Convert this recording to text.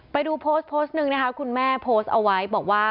ไปดูโพสต์โพสต์หนึ่งนะคะคุณแม่โพสต์เอาไว้บอกว่า